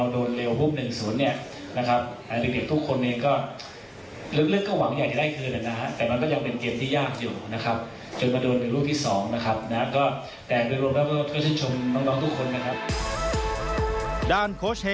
โดนแรกกลับกลับออกมา